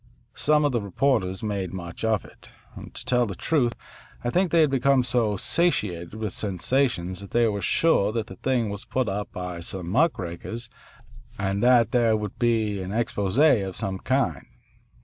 Some of the reporters made much of it. To tell the truth, I think they had become so satiated with sensations that they were sure that the thing was put up by some muckrakers and that there would be an expose of some kind.